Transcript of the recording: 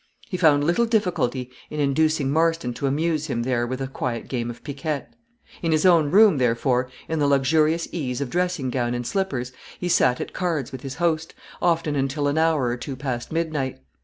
He found little difficulty in inducing Marston to amuse him there with a quiet game of piquet. In his own room, therefore, in the luxurious ease of dressing gown and slippers he sat at cards with his host, often until an hour or two past midnight.